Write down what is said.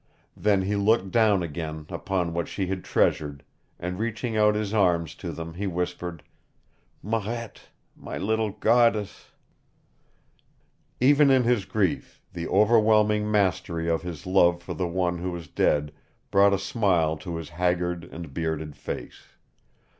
Then he looked down again upon what she had treasured, and reaching out his arms to them, he whispered, "Marette my little goddess " Even in his grief the overwhelming mastery of his love for the one who was dead brought a smile to his haggard and bearded face.